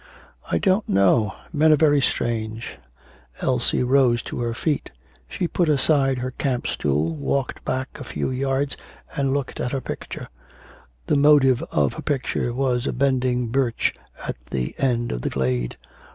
'I don't know, men are very strange.' Elsie rose to her feet. She put aside her camp stool, walked back a few yards, and looked at her picture. The motive of her picture was a bending birch at the end of the glade.